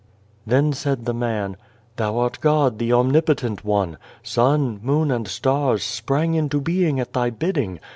Then said the man :" Thou art God, the Omnipotent One. Sun, moon, and stars sprang into being at Thy bidding.